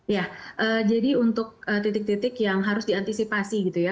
ya jadi untuk titik titik yang harus diantisipasi gitu ya